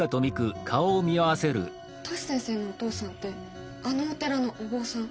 トシ先生のお父さんってあのお寺のお坊さん？